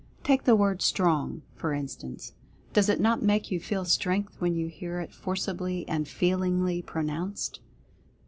Take the word "STRONG," for instance. Does it not make you feel Strength when you hear it forcibly and feelingly pronounced?